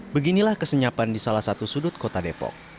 beginilah kesenyapan di salah satu sudut kota depok